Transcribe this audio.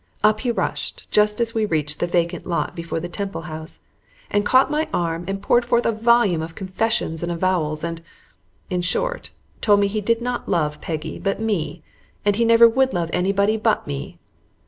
Up he rushed just as we reached the vacant lot before the Temple house, and caught my arm and poured forth a volume of confessions and avowals, and, in short, told me he did not love Peggy, but me, and he never would love anybody but me.